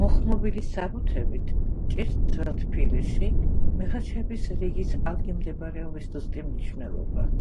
მოხმობილი საბუთებით ჭირს ძველ თბილისში მეხაშეების რიგის ადგილმდებარეობის ზუსტი მნიშვნელობა.